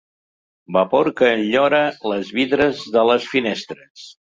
Vapor que enllora els vidres de les finestres.